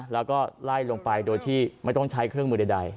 แล้วก็ไล่ลงไปโดยที่ไม่ต้องใช้เครื่องมือใด